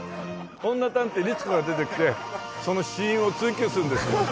女探偵律子が出てきてその死因を追究するんですよ。